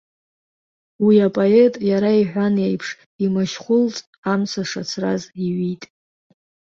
Уи апоет, иара иҳәан еиԥш, имашьхәылҵ амца шацраз иҩит.